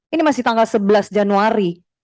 ini masih tanggal sebelas januari